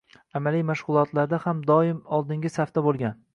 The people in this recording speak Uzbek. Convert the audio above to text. Amaliy mashg`ulotlarda ham doim oldingi safda bo`lgan